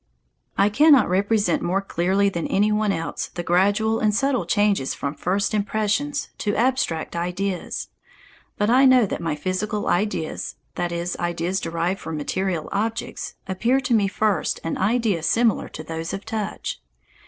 I cannot represent more clearly than any one else the gradual and subtle changes from first impressions to abstract ideas. But I know that my physical ideas, that is, ideas derived from material objects, appear to me first an idea similar to those of touch.